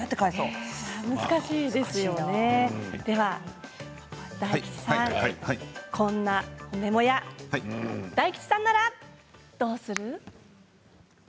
では大吉さんこんな褒めモヤ大吉さんならどうする？